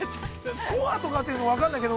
◆スコアとかっていうの分かんないけど。